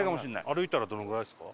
歩いたらどのぐらいですか？